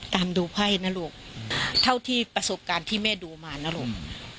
ตามดูไพ่นะลูกเท่าที่ประสบการณ์ที่แม่ดูมานะลูก